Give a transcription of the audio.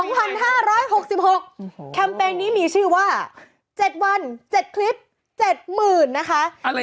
แคมเปญนี้มีชื่อว่า๗วัน๗คลิป๗๐๐๐๐นะคะ